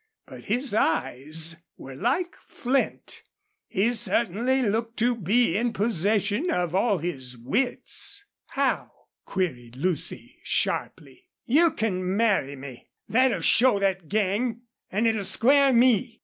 But his eyes were like flint. He certainly looked to be in possession of all his wits. "How?" queried Lucy, sharply. "You can marry me. Thet'll show thet gang! An' it'll square me.